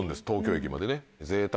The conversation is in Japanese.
東京駅までね。